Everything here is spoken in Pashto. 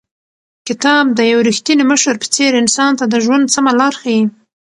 کتاب د یو رښتیني مشر په څېر انسان ته د ژوند سمه لار ښیي.